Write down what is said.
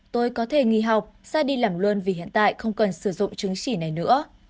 tôi có thể nghỉ học xa đi làm luôn vì hiện tại không cần sử dụng chứng chỉ này nữa